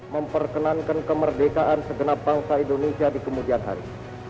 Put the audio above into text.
memperkenankan kemerdekaan segenap bangsa indonesia di kemudian hari